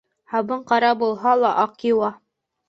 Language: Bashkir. Һабын ҡара булһа ла, аҡ йыуа.